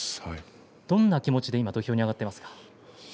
どんな気持ちで今土俵に上がっていますか。